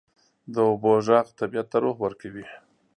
د اوبو ږغ طبیعت ته روح ورکوي.